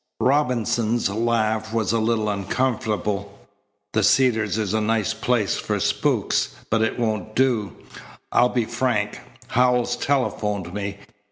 Robinson's laugh was a little uncomfortable. "The Cedars is a nice place for spooks, but it won't do. I'll be frank. Howells telephoned me.